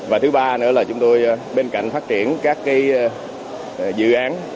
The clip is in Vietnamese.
và thứ ba nữa là chúng tôi bên cạnh phát triển các dự án